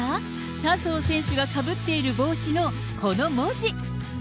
笹生選手がかぶっている帽子のこの文字。